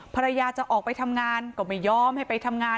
ภรรยาจะออกไปทำงานก็ไม่ยอมให้ไปทำงาน